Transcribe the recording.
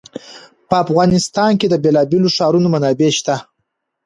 په افغانستان کې د بېلابېلو ښارونو منابع شته.